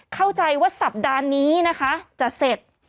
เข้าใจว่าสัปดาห์นี้นะคะจะเสร็จ